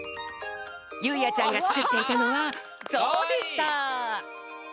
ゆいあちゃんがつくっていたのはゾウでした！